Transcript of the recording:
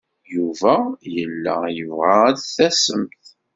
Yuba yella yebɣa ad d-tasemt.